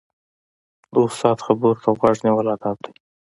د استاد خبرو ته غوږ نیول ادب دی.